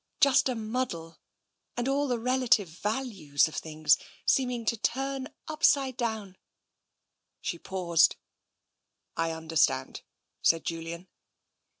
Just a muddle, and all the relative values of things seeming to turn upside down." She paused. I understand," said Julian.